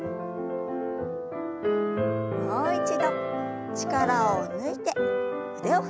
もう一度力を抜いて腕を振りましょう。